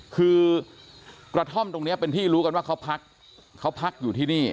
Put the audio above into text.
คือกระท่อมตรงนี้เป็นที่รู้กันว่าเขาพักเขาพักอยู่ที่นี่